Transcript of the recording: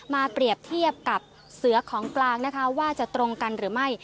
เปรียบเทียบกับเสือของกลางนะคะว่าจะตรงกันหรือไม่